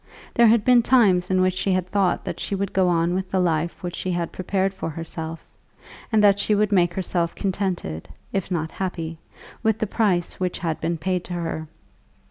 There had been times in which she had thought that she would go on with the life which she had prepared for herself, and that she would make herself contented, if not happy, with the price which had been paid to her.